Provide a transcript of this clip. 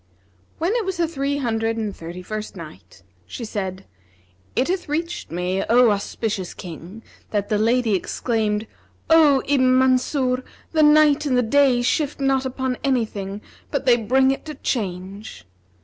When it was the Three Hundred and Thirty first Night, She said, It hath reached me, O auspicious King, that the lady exclaimed, 'O Ibn Mansur, the night and the day shift not upon anything but they bring to it change!'